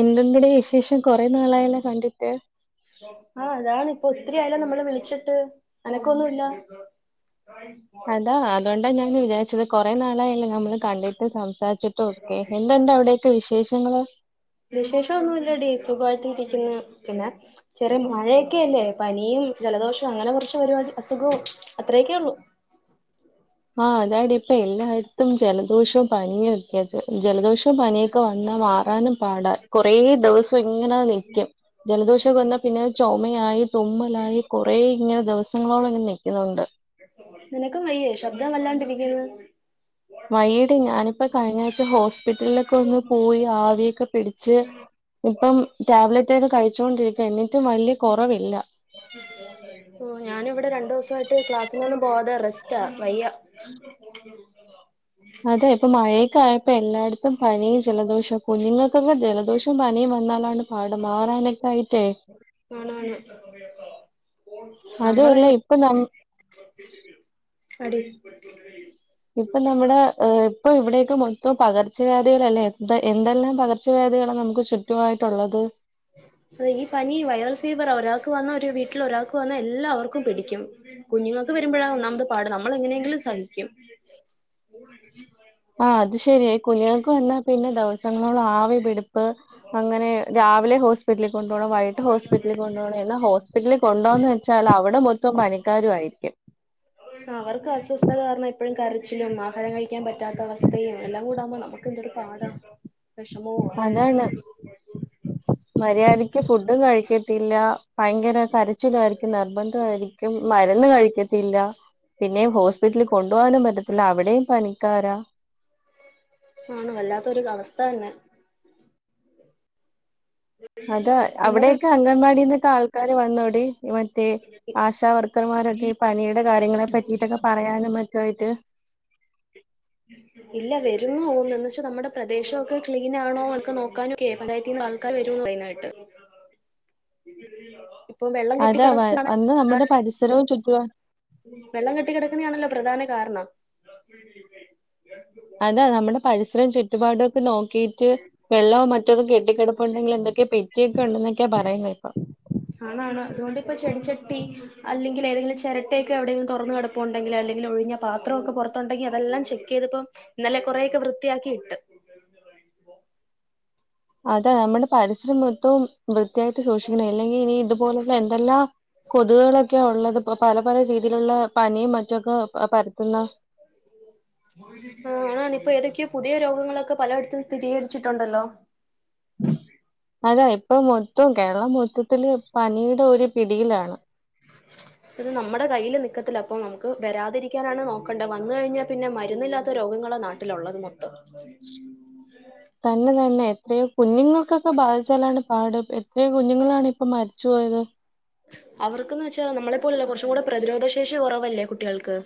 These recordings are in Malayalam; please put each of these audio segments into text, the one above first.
എന്തുണ്ടടെ വിശേഷം കൊറെ നാളായല്ലേ കണ്ടിട്ട്. പ്പൊ ഒത്തിരിയായല്ലോ നമ്മള് വിളിച്ചിട്ട് അനക്കൊന്നുല്ല. അതാ അതൊണ്ടാ ഞാൻന്ന് വിചാരിച്ചത് കൊറെ നാളായല്ലേ നമ്മൾ കണ്ടിട്ടും സംസാരിച്ചിട്ടും ഒക്കെ. എന്തുണ്ട് അവിടെ ക്കെ വിശേഷങ്ങള്? വിശേഷം ഒന്നൂല്ലെടി. സുഖമായിട്ട് ഇരിക്കുന്നു. പിന്നെ ചെറിയ മഴയൊക്കെ അല്ലേ പനിയും ജലദോഷവും അങ്ങനെ കുറച്ച് പരിപാടി, അസുഖോം അത്രയൊക്കെയൊള്ളു. ആഹ് അതാ ടീ ഇപ്പൊ എല്ലായിടത്തും ജലദോഷവും പനിയും ഒക്കെയാ.. ജൽ ജലദോഷവും പനിയൊക്കെ വന്നാൽ മാറാനും പാടാ... കൊറേ ദിവസം ഇങ്ങനെ നിക്കും. ജലദോഷം വന്നാൽ പിന്നെ ചൊമയായി, തുമ്മലായി കൊറേ ഇങ്ങനെ ദിവസ സങ്ങളോളം ഇങ്ങനെ നിക്കുന്നുണ്ട്. നിനക്കും വയ്യേ ശബ്ദം വല്ലാണ്ടിരിക്കുന്നു വൈയ്യടി ഞാനിപ്പോ കഴിഞ്ഞ ആഴ്ച ഹോസ്പിറ്റലിലൊക്കെ ഒന്ന് പോയി ആവിയൊക്കെ പിടിച്ച് ഉം ഇപ്പം ടാബ്ലറ്റൊക്കെ കഴിച്ചുകൊണ്ടിരിക്ക എന്നിട്ടും വലിയ കുറവില്ല ഓ ഞാനിവിടെ രണ്ടു ദിവസായിട്ട് ക്ലാസ്സിനൊന്നും പോവാതെ റെസ്റ്റാ വയ്യ അതെ. ഇപ്പൊ മഴയൊക്കെ ആയപ്പേ എല്ലായിടത്തും പനിയും ജലദോഷാ. കുഞ്ഞുങ്ങൾക്കൊക്കെ ജലദോഷം പനിയും വന്നാലാണ് പാട് മാറാനൊക്കെ ആയിട്ടേ ആണാണ് അതു അല്ല. നമ്മളങ്ങ് ഇപ്പൊ നമ് [unintelligible] അടി ഇപ്പൊ നമ്മുടെ ഇപ്പൊ ഇവിടേക്ക് മൊത്തം പകർച്ചവ്യാധികളല്ലേ എന്ത എന്തെല്ലാം പകർ പകർച്ചവ്യാധികളാ നമുക്ക് ചുറ്റു ആയി ഉള്ളത്. വന്ന ഒരു വീട്ടിൽ ഒരാൾക്ക് വന്ന എല്ലാവർക്കും പിടിക്കും. കുഞ്ഞുങ്ങൾക്ക് വരുമ്പോഴാ ഒന്നാമത് പാട്. നമ്മള് എങ്ങനെയെങ്കിലും സഹിക്കും ആ അത് ശരി ഇകുഞ്ഞുങ്ങൾക്ക് വന്നാ പിന്നെ ദിവസങ്ങളോളം ആവി പിടിപ്പ് അങ്ങനെ രാവിലെ ഹോസ് പില്ലിൽ കൊണ്ടുപോണം വൈകീട്ട് ഹോസ്പിറ്റലിൽ കൊണ്ടുപോണം എന്നാ ഹോസ്പിറ്റലിൽ കൊണ്ടുപോവാന്നു വെച്ചാൽ അവിടെ മൊത്തം പനിക്കാരായിരിക്കും. അവർക്ക് അസ്വസ്ഥ കാരണം എപ്പഴും കരച്ചിലും മ ആഹാരം കഴിക്കാൻ പറ്റാത്ത അവസ്ഥതയെ എല്ലാം കൂടാകുമ്പേ നമുക്ക് എന്തൊരു പാടാ. വിഷമവുവാ അതാണ് മര്യാദയ്ക്ക് ഫുഡും കഴിക്കത്തില്ല ഭയങ്കര കരച്ചിലായിരിക്കും നിർബന്ധായിരിക്കും മരുന്ന് കഴിക്ക ഇല്ല. പിന്നെയും ഹോസ്പിറ്റലിൽ കൊണ്ടു പോകാനും പറ്റത്തില്ല അവി ടെ പനിക്കാരാ. ആണ് വല്ലാത്തൊരു അവസ്ഥ തന്നെ അതാ നമ്മുടെ അവിടൊയെക്കെ അംഗൻവാടിന്നൊക്കെ ആൾക്കാര് വന്നോടി മറ്റേ ആശാവർക്കർമാരൊക്കെ ഈ പനിയുടെ കാര്യങ്ങളെ പറ്റീട്ടൊക്കെ പറയാനും മറ്റുമായിട്ട് ഇല്ല വരുംന്ന് തോന്ന് എന്ന് വച്ചാ നമ്മുടെ പ്രദേശൊക്കെ ക്ലീനാണോന്നൊക്കെ നോക്കാനൊക്കെ പഞ്ചായത്തീന്ന് ആൾക്കാര് വരൂന്ന് പറയുന്ന കേട്ട്. ഇപ്പൊ വെള്ളം കെട്ടി അതാ വ കിടക്ക അന്ന് നമ്മുടെ പരി [unintelligible] ചുറ്റുപാ വെള്ളം കെട്ടി കിടക്കണയാണല്ലോ പ്രധാന കാരണം അതാ നമ്മുടെ പരിസരവും ചുറ്റുപാടും ഒക്കെ കെട്ടിക്കെടുപ്പുണ്ടെങ്കിൽ എന്തൊക്കെയെ പെറ്റിയൊക്കെ ഉണ്ടെന്നൊക്കെയാ പറയുന്നെ ഇപ്പ ട്ടി അല്ലെങ്കിൽ ഏതെങ്കിലും ചിരട്ടയൊക്കെ എവിടെങ്കിലും തുറന്നു കെടപ്പുണ്ടെങ്കിൽ അല്ലെങ്കിൽ ഒഴിഞ്ഞ പാത്രമൊക്കെ പൊറത്തുണ്ടെങ്കിൽ അതെല്ലാം ചെക്ക് ചെയ്തപ്പം ഇന്നലെ കുറേയെക്കെ വൃത്തിയാക്കി ഇട്ട്. അതാ നമ്മുടെ പരിസരം മു തോ വൃത്തിയായിട്ട് സൂക്ഷിക്കണം അല്ലെങ്കിൽ ഇനി ഇതുപോലെത്തെ എന്തെല്ലാം കൊതുകുകളൊക്കെ ഉള്ള ഇ പല പല രീതിയിലുള്ള പനിയും മറ്റൊക്കെ ആ ഇപ്പൊ എതൊക്കെയോ പുതിയ രോഗങ്ങളൊക്കെ പലയിടത്തും സ്ഥിതികരിച്ചിട്ടുണ്ടല്ലോ അതെ ഇപ്പൊ മൊത്തവും കേരളം മൊത്തത്തില് പനിയുടെ ഒരു പിടിയിലാണ് ഇത് നമ്മുടെ കയ്യില് നിക്കത്തില്ല അപ്പൊ നമുക്ക് വരാതിരിക്കാനാണ് നോക്കണ്ടത് വന്ന കഴിഞ്ഞാ പിന്നെ മരുന്നില്ലാത്ത രോഗങ്ങളാ നാട്ടിലുള്ളത് മൊത്തം തന്നെ തന്നെ എത്രയോ കുഞ്ഞുങ്ങൾക്കൊക്കെ ബാധിച്ചാലാണ് പാട് എത്രയോ കുഞ്ഞുങ്ങളാണ് ഇപ്പൊ മരിച്ചുപോയത് അവർക്ക്ന്ന് വെച്ചാ നമ്മളെ പോലല്ല കുറച്ചും കൂടെ പ്രതിരോധ ശേഷി കുറവല്ലേ കുട്ടികൾക്ക്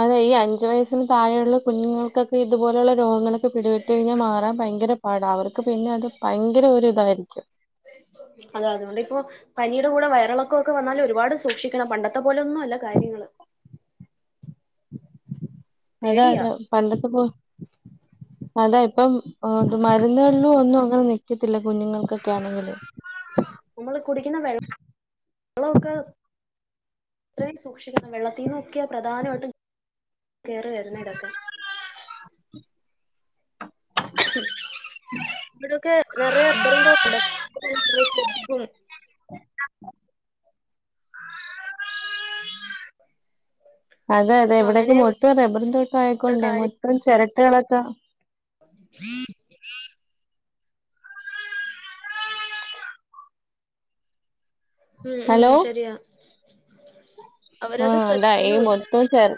അതെ ഈ അഞ്ചു വയസിന് താഴെയുള്ള കുഞ്ഞുങ്ങൾക്കൊക്കെ ഇതുപോലെയുള്ള രോഗങ്ങളൊക്കെ പിടിപെട്ട് കഴിഞ്ഞാൽ മാറാൻ ഭയര പാടാ അവർക്ക് പിന്നെ അത് ഭയങ്കര ഒരു ഇതായി ക്കും അത് അതുകൊണ്ട് ഇപ്പൊ പനി പനിന്റെ കൂടെ വയറിളക്കമൊക്കെ വന്നാല് ഒരുപാട് സൂക്ഷിക്കണം പണ്ടത്തെ പോലൊന്നും അല്ല കാര്യങ്ങള് അതാ പേടിയാ അതാ പണ്ടത്തെ പോ അതാ ഇപ്പം മരുന്നുകളിലും ഒന്നും അങ്ങനെ നി ൽക്കത്തില്ല കുഞ്ഞുങ്ങൾക്കൊക്കെ ആണെങ്കില് നമ്മള് കുടിക്കുന്ന വെള്ളമൊക്കെ അത്രയും സൂക്ഷിക്കണം വെള്ളത്തീനൊക്കെ പ്രധാനമായിട്ടും കേറി വരുന്നെ ഇതൊക്കെ [unintelligible] ഇവിടെയൊക്കെ നെറയേ റബ്ബർ തോട്ടം ഉണ്ട് [unintelligible] [unintelligible] അതെ അതെ അങ്ങനെ ഇവിടയൊക്കെ മൊത്തം റബറും തോട്ടം ഇവിടെ ആയക്കോണ്ട കാര്യം മൊത്തം ചെര ട്ടികളൊക്കെ [inaudible] മ് ഹലോ മ് ശരിയാ ആ അവരത് അതാ എ ശ്രദ്ധിക്കുന്നുമില്ല മൊത്തും ചെര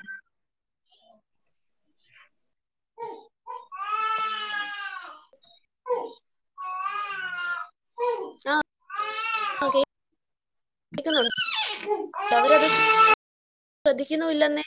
ആ ഓക്കെ രിക്കുണ്ട് അവരത് ശ്ര ശ്രദ്ധിക്കുന്നു ഇല്ലെന്നെ